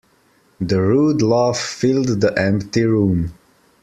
The rude laugh filled the empty room.